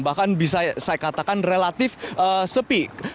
bahkan bisa saya katakan relatif sepi